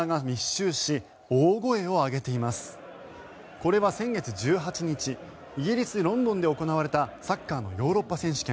これは先月１８日イギリス・ロンドンで行われたサッカーのヨーロッパ選手権。